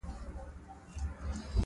کېناستل او یو خاص ډول چلند کول.